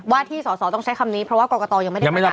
ที่สอสอต้องใช้คำนี้เพราะว่ากรกตยังไม่ได้ประกาศ